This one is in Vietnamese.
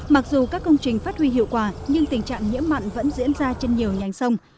mặc dù các công trình phát huy hiệu quả nhưng tình trạng nhiễm mặn vẫn diễn ra trên nhiều nhành sông